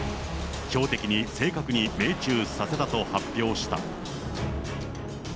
標的に正確に命中させたと発表した。